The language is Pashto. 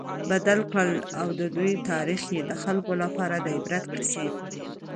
بدل کړ، او د دوی تاريخ ئي د خلکو لپاره د عبرت قيصي